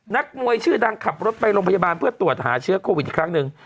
นักมวยชื่อดังขับรถไปโรงพยาบาลเพื่อตรวจหาเชื้อโควิดอีกครั้งหนึ่ง